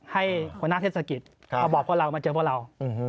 ให้คุณนักเทศกิจมาเจอพวกเรา